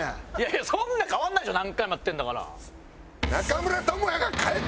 そんな変わらないでしょ何回もやってんだから。